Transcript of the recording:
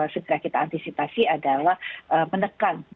segera kita antisipasi adalah menekan